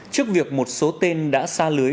trước việc một số tên đã xa lưới